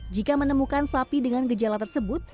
jika menemukan sapi dengan gejala tersebut